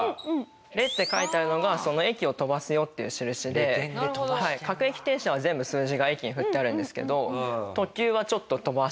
「レ」って書いてあるのがその駅を飛ばすよっていう印で各駅停車は全部数字が駅に振ってあるんですけど特急はちょっと飛ばしてたりとか。